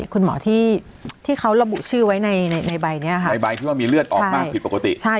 คุณหมอที่เขาระบุชื่อไว้ในใบนี้ค่ะในใบที่ว่ามีเลือดออกมากผิดปกติ